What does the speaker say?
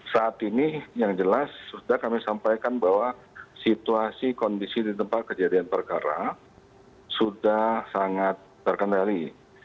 saat ini yang jelas sudah kami sampaikan bahwa situasi kondisi di tempat kejadian perkara sudah sangat terkendali